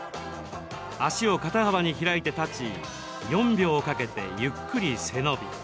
脚を肩幅に開いて立ち４秒かけてゆっくり背伸び。